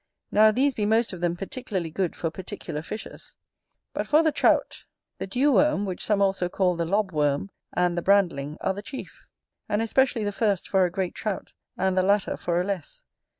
Now these be most of them particularly good for particular fishes. But for the Trout, the dew worm, which some also call the lob worm, and the brandling, are the chief; and especially the first for a great Trout, and the latter for a less.